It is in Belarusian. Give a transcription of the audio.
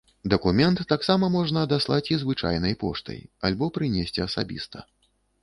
Дакумент таксама можна адаслаць і звычайнай поштай альбо прынесці асабіста.